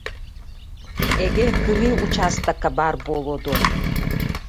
Эгэ, кырыы учаастакка баар буолуо дуо